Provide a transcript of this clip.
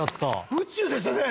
宇宙でしたね。